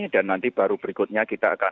dan nanti baru berikutnya kita akan